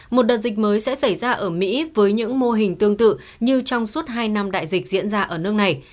một đợt dịch mới sẽ xảy ra ở mỹ với những mô hình tương tự như trong suốt hai năm đại dịch diễn ra ở nước này